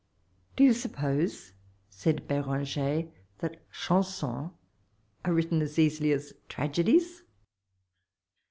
M Do you suppose," said Beranger, that chansons are written as ei^y as tragedies